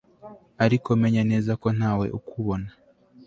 ariko menya neza ko ntawe ukubona